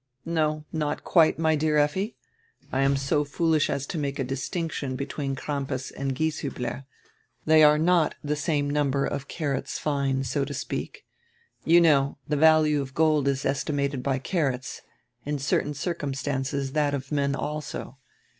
"No, not quite, my dear Effi. I anr so foolish as to make a distinction between Cranrpas and Gieshiibler. They are not tire same number of carats fine, so to speak. You know, tire value of gold is estimated by carats, in certain circumstances that of men also.